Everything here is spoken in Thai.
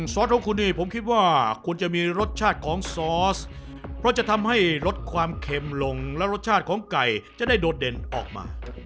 ซอสของคุณนี่ผมคิดว่าคุณจะมีรสชาติของซอสเพราะจะทำให้ลดความเค็มลงแล้วรสชาติของไก่จะได้โดดเด่นออกมา